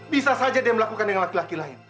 bisa saja dia melakukan dengan laki laki lain